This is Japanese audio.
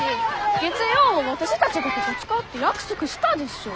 月曜はわたしたちがここ使うって約束したでしょ！